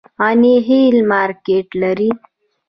غني خیل مارکیټ لري؟